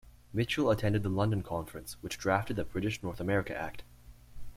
Mitchell attended the London Conference, which drafted the British North America Act.